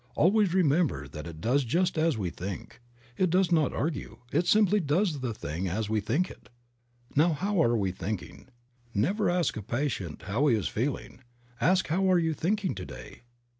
Always remember that it does just as we think. It does not argue, it simply does the thing as we think it. Now how are we thinking ? Never ask a patient how he is feeling ; ask, how are you thinking to day